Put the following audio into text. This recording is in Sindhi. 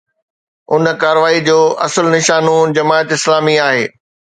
ان ڪارروائي جو اصل نشانو جماعت اسلامي آهي.